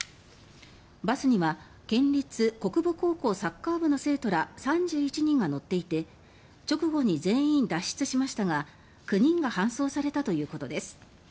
バスには県立国分高校サッカー部の生徒ら３１人が乗っていて直後の全員脱出しましたが９人が搬送されたということです。